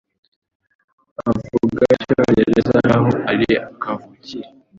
Avuga Icyongereza nkaho ari kavukire.